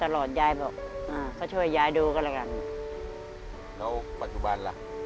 แล้วปัจจุบันล่ะ